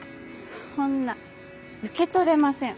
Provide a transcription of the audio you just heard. そんな受け取れません。